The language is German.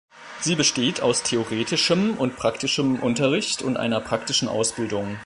Sie besteht aus theoretischem und praktischem Unterricht und einer praktischen Ausbildung.